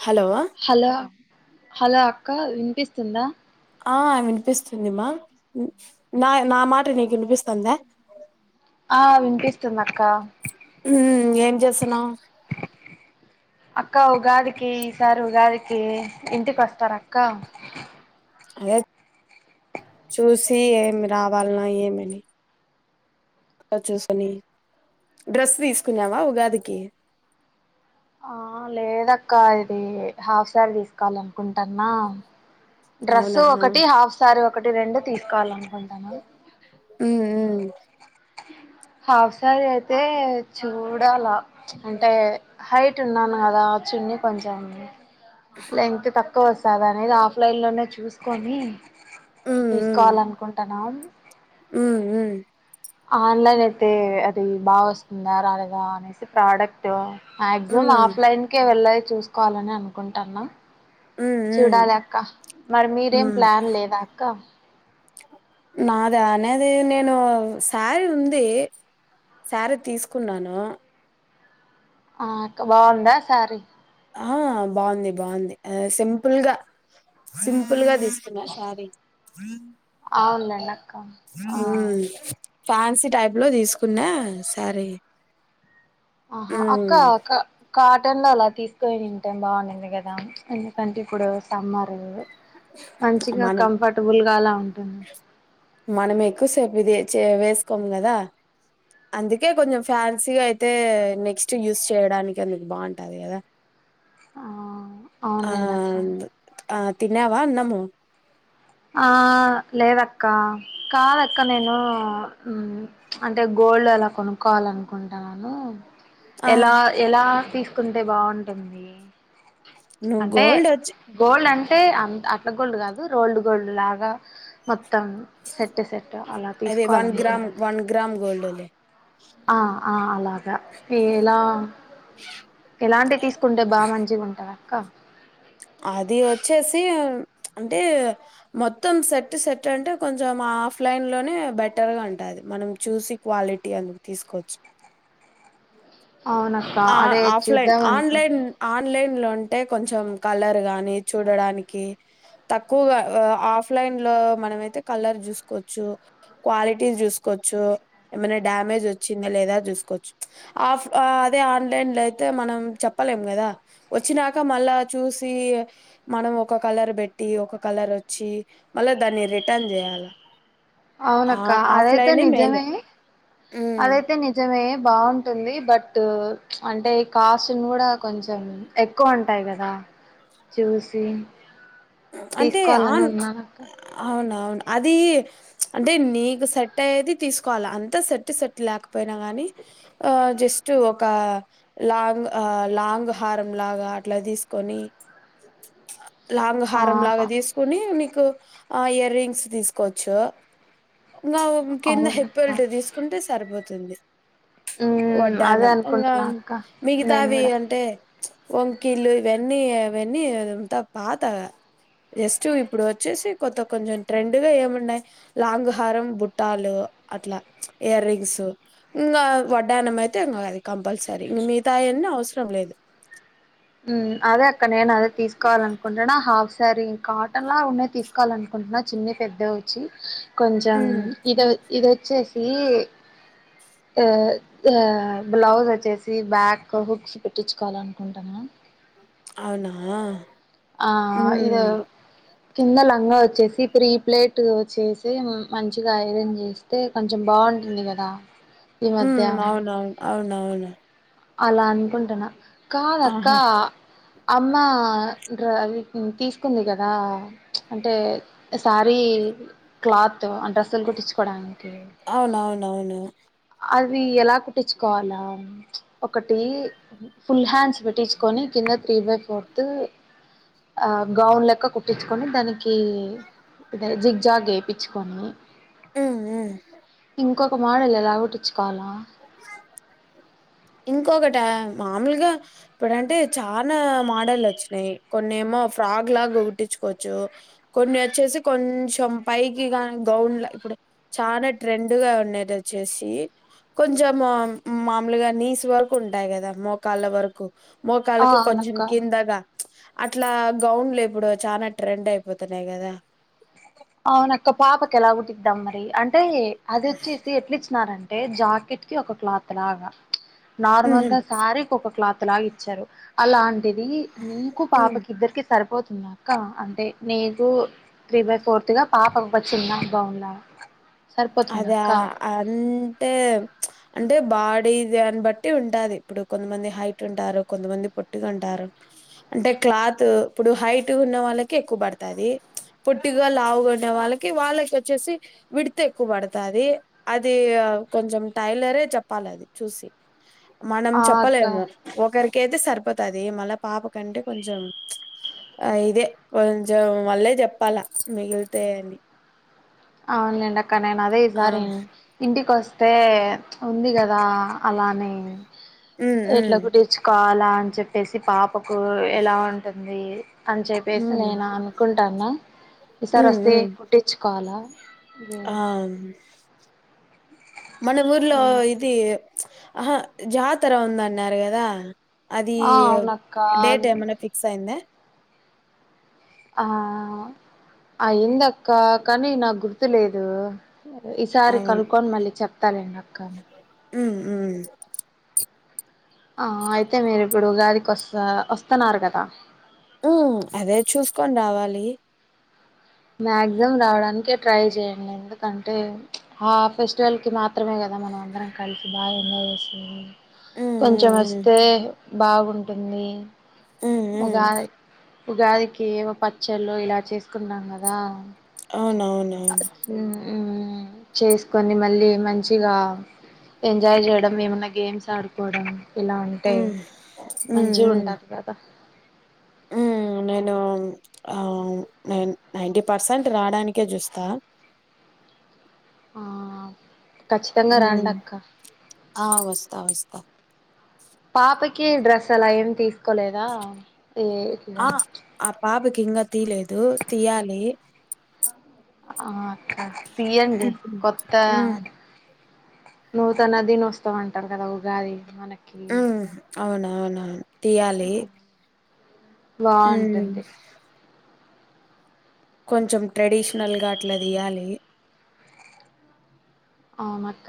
Hello hello hello అక్క వినిపిస్తుందా ఆ వినిపిస్తుందిమ్మా నా నా మాట నీకు వినిపిస్తుందా ఆ వినిపిస్తుందిక్క ఉమ్ ఏం చేస్తున్నావు అక్క ఉగాదికి ఈసారి ఉగాదికి ఇంటికిొస్తారు అక్క అదే చూసి ఏమి రావాలన్నా ఏమిని అలా చూసుకున డ్రెస్ తీసుకున్నావా ఉగాదికి ఆ లేదక్క ఇది హాఫ్ సార్ తీసుకోవాలి అనుకుంటాన్నా డ్రెస్ అవునా ఒకటి హాఫ్ శారీ ఒకటి రెండు తీసుకోవాల అనుకుంటాను మ్మ్మ్మ్ హాఫ్ సారీ అయితే చూడాలా అంటే హైట్ ఉన్నాను కదా చిున్న కొంచెం లెంత తక్కువ వస్తుంది అనేది ఆఫ్ లైన్ లోనే చూసుకొని తీసుకోవాలనుకుంటున్నా మ్మ్మ్మ్ ఆన్లైన్ అయితే అది బాగా వస్తుందా రాలేదా అనేసి ప్రోడక్ట్ ఉమ్ మాక్సిమం ఉమ్ ఆఫ్ లైన్ క వెళ్ళ చూసుకోవాలని అనుకుంటున్నా ఉమ్ ఉమ్ చూడాలి అక్క మరి మీరేం ఉమ్ ప్లాన్ లేదా అక్క నాదా అనేది నేను శారీ ఉంది శారీ తీసుకున్నాను ఆ బాగుందా సారీ ఆ బాగుంది బాగుంది సింపుల్గా సింపుల్ గా తీసుకున్నా శారీ అవునండి ఫ్యాన్సీ టైప్ లో తీసుకున్నా శారీ ఆహా అక్క రటన్లో అలా తీసుకని తింటే బాగుంటుంది కదా ఎందుకంటే ఇప్పుడు సమ్మర్ మంచిగా మనం కంఫర్టబుల్ గా అలా ఉంటుంది మనం ఎక్కువసేపు ఇది వేసుకోం కదా అందుకే కొంచెం ఫ్యాన్సీగా అయితే నెక్స్ట్ యూస్ చేయడానికి అందుకు బాగుంటది కదా ఆ ఆ అవునులేండి అక్క ఆ తినవాన్నము ఆ లేదక్క కాదక్క నేను అంటే కోోళ్ళ అలా కొనుక్కోవాల అనుకుంటాన్నాను ఆ ఎలా ఎలా తీసుకుంటే బాగుంటుంది నువ్వు అంటే గోల్డ్ వచ్చి గోల్డ్ అండ్ అంటే అ అట్లా గోల్డ్ కాదు రోల్డ్ గోల్డ్ లాగా మొత్తం మొత్తం సెట్ సెట్ అలా అది వన్ గ్రామ్ తీసుకోవాలనుకుంటాను వన్ గ్రామ్ గోల్డ్లే ఆ ఆ అలాగా ఎలా ఎలాంటి తీసుకుంటే బా మంచిగా ఉంటారు అక్క అది వచ్చేసి అంటే మొత్తం సెట్ సెట్ అంటే కొంచెం ఆఫ్లైన్లోనే బెటర్ గా ఉంటది మనం చూసి క్వాలిటీ అందుకు తీసుకోవచ్చు అ ఆ ఆఫ్లైన్ చూద్దాం ఆన్లైన్ అనుకుంటాను ఆన్లైన్ న్లో అంటే కొంచెం కలర్ కానీ చూడడానికి తక్కువగా ఆఫ్లైన్ మనమైతే కలర్ చూసుకోవచ్చు క్వాలిటీ చూకోవచ్చు ఏమనా డ్యామేజ్ వచ్చి దా లేదా చూసుకోవచ్చు అదే ఆన్లైన్ లో అయితే మనం చెప్పలేం కదా వచ్చినాక మళ్ళా చూసి మనం నువ్వు ఒక కలర్ పెట్టి ఒక కలర్ వచ్చి మళ్ళ దాన్ని రిటర్న్ చేయాలా అవునక్క అదైతే మేలు. నిజమే హ్మ్. అదైతే నిజమే బాగుంటుంది బట్ అంటే కాస్ట్ కూడా కొంచెం ఎక్కువ ఉంటాయి కదా చూసి అంటే తీసుకోవాలని ఆన్ ఉన్నాను అక్క అవునవును అది అంటే నీకు సెట్ అయ్యేది తీసుకోవాల అంత సెట్ సెట్ లేకపోయినా కాని ఆ జస్ట్ ఒక లాంగ్ ఆ లాంగ్ హారం లాగా అట్లా తీసుకో కొని లా ఆ హారంలాగా తీసుకుని నీకు ఆ ఇయరింగ్స్ తీసుకోవచ్చు ఇంకా కింద హిప్ అవునక్క బెల్ట్ తీసుకుంటే సరిపోతుంది ఉమ్ అదే వడ్డానం ఇంగ అనుకుంటున్నా అక్క నేను మిగితావి కూడా అంటే వంకీలు ఇవన్నీ అవన్నీ అంతా పాతగా జస్ట్ ఇప్పుడు వచ్చేసి కొత్త కొంచెం ట్రెండ్గా ఏమున్నాయి లాంగ్ హారం బుట్టాలు అట్లా ఇయరింగ్స్ ఇంగా వడ్డాణం అయితే ఇంగ అది కంపల్సరీ మిగతా తాయన్ని అవసరం లేదు ఉమ్ అదే అక్క నేను అదే తీసుకోవాలి అనుకుంటున్న హాఫ్ సారీ కాటన్ లా ఉన్నయి తీసుకోవాలనుకుంటున్నా చున్నీ పెద్దగ వచ్చి కొంచం ఉమ్ ఇద ఇదొచ్చేసి ఆ ఆ బ్లౌజ్ వచ్చేసి బ్యాక్ హుక్స్ పెట్టించుకోవాలి అనుకుంటున్న అవునా ఆ ఇది ఉమ్ కింద లంగా వచ్చేసి ప్రీ ప్లేట్ చేసి మంచిగ ఐరన్ చేస్తే కొంచెం బాగా బాగుంటుంది కదా ఈ ఉ మధ్య అవునవును అవునవును అలా అనుకుంటున్నా కాదక్క ఆహా అమ్మ అది తీసుకుంది కదా అంటే శారీ క్లాత్ డ్రస్సులు కుట్టించుకోడానికి అవునవునవును అది ఎలా కుట్టించుకోవాలా ఒకటి ఫుల్ హ్యాండ్స్ పెట్టించుకొని కింద త్రీ బై ఫోర్త్ ఆ గౌన్ లెక్క కుట్టించుకొని దానికి కీ జిగ్ జాగ్ ఏపిచ్చుకొని ఉమ్ ఉమ్ ఇంకొక మాడల్ ఎలా కుట్టిచ్చుకోవాల ఇంకొకటా మామూలుగా ఇప్పుడంటే చాలా మోడల్ వచ్చినాయి కొన్నేమో ఫ్రాక్ లాగా కుట్టించుకోవచ్చు కొన్ని వచ్చేసి కొంచెం పైకి గౌన్లా ఇప్పుడు చానా ట్రెండ్గా ఉండేది వచ్చేసి కొంచం మామూలుగా నీస్ వరకు ఉంటాయి కదా మోకాళ్ళ వరకు ఆ మోకాళ్ళకు కొంచెం అవునక్క కిందగా అట్లా గౌన్లు ఇప్పుడు చనా ట్రెండ్ అయిపోతున్నాయి కదా అవునక్క పాపకి ఎలాగుట్టిద్దాం మరి అంటే అది వచ్చేసి ఎట్లిచ్చినారం టే జాకెట్ కి ఒక క్లాత్ లాగా నార్మల్ ఉహు గా శారీకి ఒక క్లాత్ త్ లాగా ఇచ్చారు అలాంటిది నీకు ఉమ్ పాపకి ఇద్దరికి సరిపోతు దాక్క అంటే నీకు త్రీ బై ఫోర్ టుగా పాపకు పచ్చిందగు ఉందాం అద అంటే అం అంటే బాడీ దాన్ని బట్టి ఉంటాది. ఇప్పుడు కొంతమంది హైట్ ఉంటారు. కొంతమంది పొట్టిగా ఉంటారు. అంటే క్లాత్ ఇప్పుడు హైట్ ఉన్న వాళ్ళకి ఎక్కువ పడుతాది. పొట్టిగా లావుగా ఉండ వాళ్ళ వాళ్ళకి వచ్చేసి విడ్త్ విడ్త్ ఎక్కువ పడుతాది అది కొంచెం టైలరే చెప్పాలి అది చూసి మనం ఆ అక్క చెప్పలేము ఒకరికైతే సరిపోతాది. మళ్ళా పాప కంటే కొంచెం ఇదే కొంచెం వాళ్ళే చెప్పాలా మిగిలితే అని అవునులేండి అక్క నేను అదే ఆ ఈసారి ఇంటికి వస్ అతే ఉంది కదా అలాని ఉమ్ ఎట్ల ఉమ్ కుట్టిచ్చుకోవాలి లాని చెప్పేసి పాప్ ఒకో ఎలా ఉంటుంది అని చెప్పేసి ఉమ్ నేను అనుకుంటన్నా ఈసార్ హ్మ్ వస్తే హ్మ్ కుట్టిచ్చుకోవాలా ఆ మన ఊర్లో ఉమ్, ఇది ఆహా జాతర ఉంద అన్నారు కదా అది ఆ అవునక్క డేట్ ఏమైన్నా ఫిక్స్ అయిందా ఆ అయిందక్క కానీ నాకు గుర్తులేదు. ఈసారి అవును కనుక్కొని మళ్ళీ చెప్తాలేండి అక్క ఉ ఉమ్ ఆ అయితే మీరు ఇప్పుడు ఉగాదికి వస్త వస్తన్నారు కదా ఉ అదే చూసుకొని రావాలి. మాక్సిమం రావడానికే ట్రై చేయండి. ఎందుకంటే ఆ ఫెస్టివల్ కి మాత్ మాత్రమే కదా మనం అందరం కలిసి బాగా ఎంజాయ్ చేసి హ్మ్ కొంచెం హ్మ్ వస్తే బాగుంటుంది హ్మ్ హ్మ్ ఉగాది ఉగాదికి ఏవో పచ్చళ్ళు ఇలా చేసుకున్నాం కదా. అవునవునవును ఉమ్ చేసుకొని మళ్ళీ మంచిగా ఎంజాయ్ చేయడం ఏమన్నా గేమ్స్ ఆడుకోవడం ఇలా ఉంటయ్ హ్మ్ హ్మ్ మంచిగా హ్మ్ ఉంటారు కదా హ్మ్ నేను ఆ నై నైంటీ పర్సెంట్ రావడానికే చూస్తా. ఆ ఖచ్చితంగా రండి హ్మ్ అక్క ఆ వస్తా వస్తా కి డ్రెస్ అలా ఏం తీసుకోలేదా ఏ ఆ ఇట్లా ఆ పాపకి ఇంకా తీయలేదు తీయాలి ఆ తీయండి హ్మ్ కొత్త హ్మ్ నూతన దినోస్తమ అంటారు కదా ఉగాది మనకి ఉ అవును అవును తీయాలి హ్మ్. బాగుంటుంది కొంచెం ట్రెడిషనల్ గా అట్లా తీయ్యాలి అవును అక్క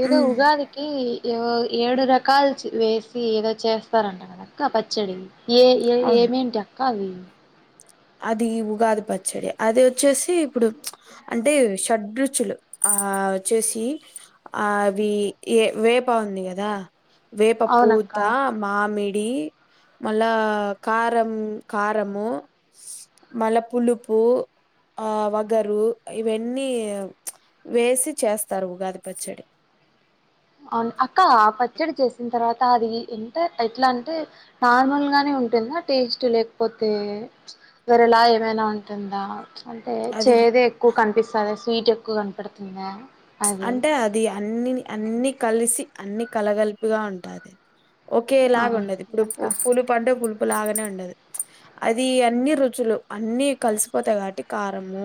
ఏదో హ్మ్. ఉగాదికి ఏదో ఏడు రకాలు వేసి ఏదో చేస్తారంట కదాక్క పచ్చడి ఏ ఏ అవును. ఏమేంటి అక్క అవి అది ఉగాది పచ్చడి అది వచ్చేసి ఇప్పుడు అంటే షడ్రుచులు అ ఆ వచ్చేసి ఆ అవి ఏ వేప ఉంది కదా వేప పూతా అవునక్క మామిడి అడి మళ్ళా కారం కారము మల్లా పులుపు ఆ వగరు ఇవన్నీ వేసి చేస్తారు ఉగాది పచ్చడి అవును అక్క ఆ పచ్చడి చేసిన తర్వాత అది ఎంత ఎట్లా అంటే నార్మల్ గానే ఉంటుందా టేస్ట్ లేకపోతే వేరేలా ఏమైనా ఉంటుందా అంటే అది చేదే ఎక్కువ కనిపిస్తద స్వీట్ ఎక్కువ కనపడుతుందా ప్చ్ అది అంటే అది అన్నిని అన్ని కలిసి అన్ని కలగలిపిగా ఉంటది ఒకె ఆ లాగా ఉండది ఇప్పుడు పు అక్క పులులు అంటే పులు లాగానే ఉండదు అది అన్ని రుచులు అన్ని కలిసిపోతాయి కాబట్టి కారము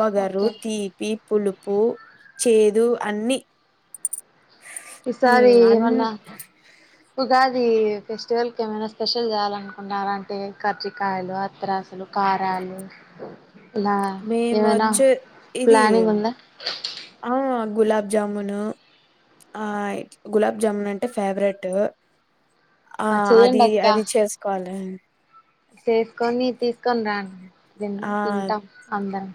వగరు ఓకే తీపి పులుపు చేదు అన్ని ఈసారి హ్మ్ అన్ని ఏమన్న ఉగాది ఈ ఫెస్టివల్ కెమైనా స్పెషల్ చేయాలి అనుకుటునార అంటే కర్రకాయలు అత్తరాసలు కార అలు లా ఏమైనా మేమొచ్చే ఇది ప్లానింగ్ ఉందా గులాబ్జామును ఆ గులాబ్ జామున్ అంటే ఫేవరెటు ఆ అది చెయ్యండి అక్క అది చేసుకోవలె ఊ చేసుకొని తీసుకొని రాండి ఆ తింటాం అందరం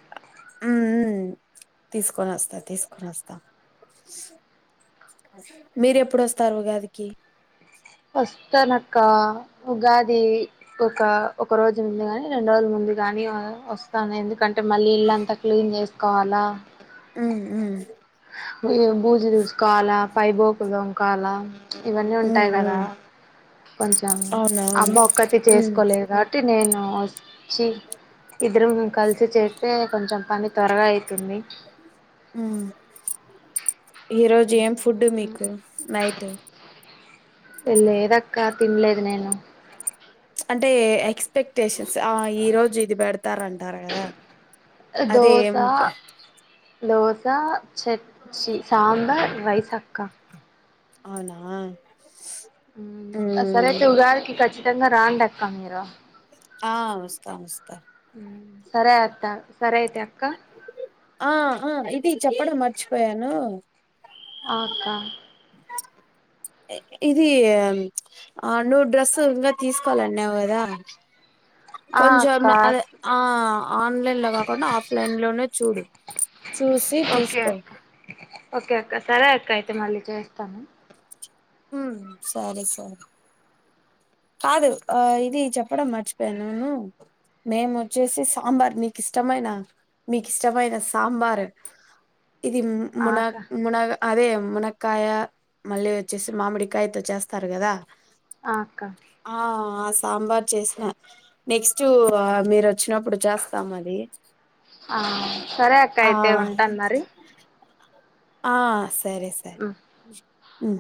తీస్కోని వస్తా తీస్కోని వస్త మీరెప్పుడస్తారు ఉగాదికి వస్తనక్క ఉగాది ఒక ఒక రోజు ముందు గాని రెండు రోజుల ముందు దు కాని వస్తాను ఎందుకంటే మళ్ళీ ఇల్లంతా క్లీన్ చేసుకోవాలా ఊ ఊ ఈ బూజు దూడుసుకోవాలా పైబోకు దొంకాలా ఇవన్నీ ఉంటాయి ఉమ్ కదా ఉమ్ కొంచెం అమ్మ అవునవును ఒక్కతి ఉమ్ చేసుకోలేదు కాబట్టి నేను వచ్చి ఇద్దరు కలిసి చేస్తే కొంచెం పని త్వరగా ఐతుంది ఊ ఈ రోజు ఏం ఫుడ్ మీకు నైట్ లేదక్క తినలేదు నేను అంటే ఎక్స్పెక్టేషన్స్ ఆ ఈ రోజు ఇది పెడతారంటారు కదా అదే ఏం లోత చచ్చి సాంబార్ రైస్ అక్కా అవునా ఒసరయితే ఉమ్ ఉగాదికి ఖచ్చితంగా రాండక్క మీరు ఆ వస్తాం వస్తాం ఊ సరే అతా ఆహ ఇది చెప్పడం మర్చిపోయాను ఆ అక్కా ఇది ఆ నువ్వు డ్రెస్సు ఇంకా తీసుకోవాలన్నావు కదా ఆ అక్క కొంచెం అదే ఆ ఆన్లైన్ లో కాకుండా ఆఫ్లైన్ లోనే చూడు చూసి ఓకే తీసుకో ఓకే ఓక స రైత మళ్ళీ చేస్తాను ఊ సరే సరె కాదు ఆ ఇది చెప్పడం మర్చిపోయనూ మేముచ్చేసి సాంబార్ నీకు ఇష్టమైన మీకిష్టమైన సాంబారు ఇది ఆ మున అక్క మునగా అదే మునక్కాయ మళ్ళీ వచ్చేసి మామిడికాయతో చేస్తారు కదా ఆ అక్క ఆ ఆ సాంబార్ చేసిన నెక్స్ట్ మీరు ఆ వచ్చినప్పుడు చేస్తాం అది ఆవును సరే అక్క ఆ అయితే ఉంటాను మరి ఆ సరే సర ఉమ్